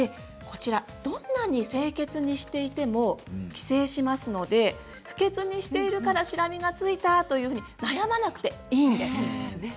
どんなに清潔にいていても寄生しますので不潔にしているからシラミがついたと悩まなくていいんです。